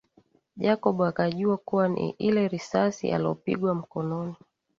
Jacob akajua kuwa ni ile risasi alopigwa mkononi